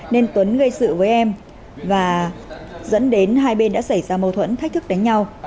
nên tuấn gây sự với em và dẫn đến hai bên đã xảy ra mâu thuẫn thách thức đánh nhau